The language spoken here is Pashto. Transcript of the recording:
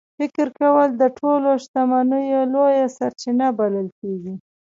فکر کول د ټولو شتمنیو لویه سرچینه بلل کېږي.